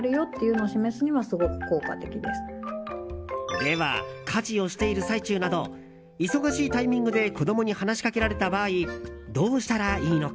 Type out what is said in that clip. では、家事をしている最中など忙しいタイミングで子供に話しかけられた場合どうしたらいいのか。